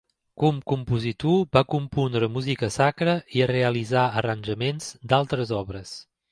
Com a compositor va compondre música sacra i realitzà arranjaments d'altre obres.